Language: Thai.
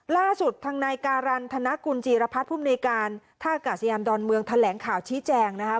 ล่าสุดทางนายการันธนกุลจีรพัฒน์ภูมิในการท่ากาศยานดอนเมืองแถลงข่าวชี้แจงนะคะ